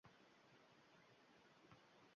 olimning